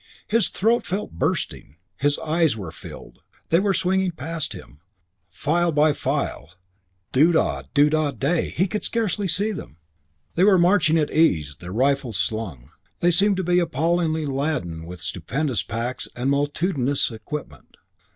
His throat felt bursting. His eyes were filled. They were swinging past him, file by file. Doo da! Doo da! Day! He scarcely could see them. They were marching at ease, their rifles slung. They seemed to be appallingly laden with stupendous packs and multitudinous equipment.